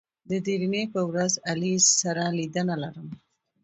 د درېنۍ په ورځ علي سره لیدنه لرم